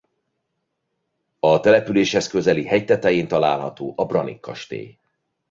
A településhez közeli hegy tetején található a Branik-kastély.